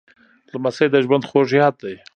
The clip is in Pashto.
لمسی د ژوند خوږ یاد دی.